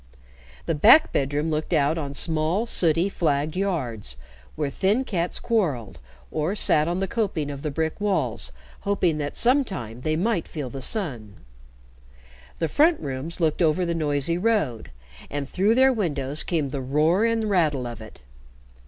The back bedroom looked out on small, sooty, flagged yards, where thin cats quarreled, or sat on the coping of the brick walls hoping that sometime they might feel the sun; the front rooms looked over the noisy road, and through their windows came the roar and rattle of it.